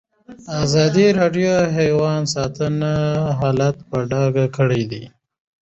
ازادي راډیو د حیوان ساتنه حالت په ډاګه کړی.